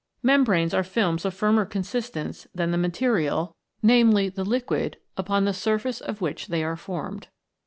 Membranes are films of firmer consistence than the material, viz. the liquid upon the surface of which they are formed.